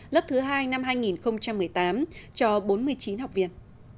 lớp thứ hai năm hai nghìn một mươi tám cho bốn mươi chín học viên